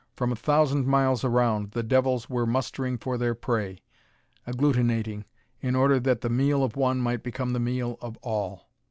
From a thousand miles around, the devils were mustering for their prey, agglutinating, in order that the meal of one might become the meal of all.